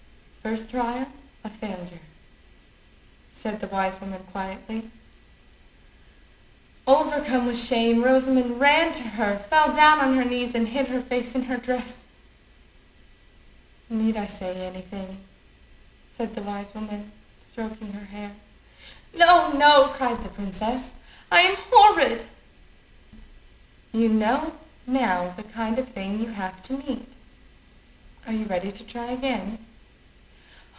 "First trial a failure," said the wise woman quietly. Overcome with shame, Rosamond ran to her, fell down on her knees, and hid her face in her dress. "Need I say any thing?" said the wise woman, stroking her hair. "No, no," cried the princess. "I am horrid." "You know now the kind of thing you have to meet: are you ready to try again?"